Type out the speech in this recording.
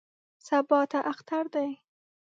سبا ته اختر دی.